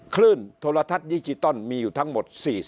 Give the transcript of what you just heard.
คลื่นโทรทัศน์ดิจิตอลมีอยู่ทั้งหมด